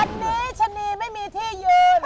วันนี้ชะนีไม่มีที่ยืน